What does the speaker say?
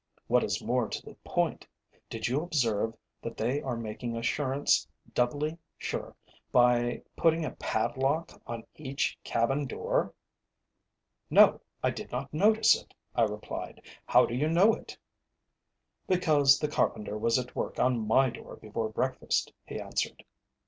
What is more to the point, did you observe that they are making assurance doubly sure by putting a padlock on each cabin door?" "No, I did not notice it," I replied. "How do you know it?" "Because the carpenter was at work on my door before breakfast," he answered.